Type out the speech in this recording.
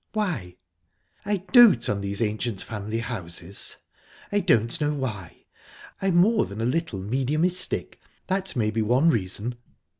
"Why?" "I dote on these ancient family houses. I don't know why. I'm more than a little mediumistic that may be one reason."